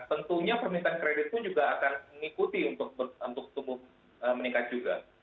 tentunya permintaan kredit pun juga akan mengikuti untuk tubuh meningkat juga